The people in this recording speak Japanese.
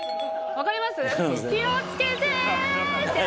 分かります？